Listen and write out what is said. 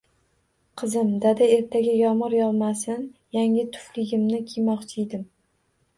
Qizim: dada ertaga yomgʻir yogʻmasin yangi tufligimni kiymoqchidim.